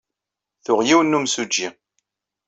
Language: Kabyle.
Tuɣ yiwen n yemsujji.